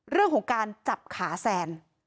เรื่องของการจับขาแซน